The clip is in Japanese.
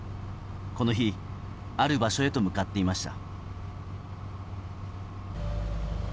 この日、ある場所へと向かっていました。